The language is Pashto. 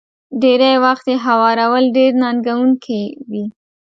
ډېری وخت يې هوارول ډېر ننګوونکي وي.